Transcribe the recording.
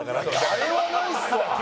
あれはないっすわ！